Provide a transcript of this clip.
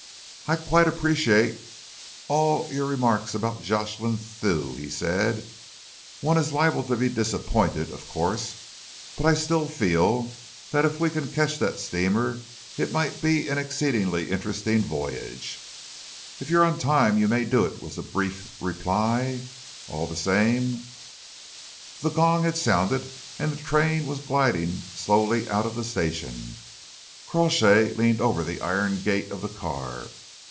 "I quite appreciate all your remarks about Jocelyn Thew," he said. "One is liable to be disappointed, of course, but I still feel that if we can catch that steamer it might be an exceedingly interesting voyage." "If you're on time you may do it," was the brief reply. "All the same " The gong had sounded and the train was gliding slowly out of the station. Crawshay leaned over the iron gate of the car.